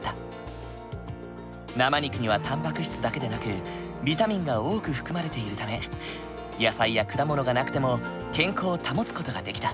生肉にはたんぱく質だけでなくビタミンが多く含まれているため野菜や果物がなくても健康を保つ事ができた。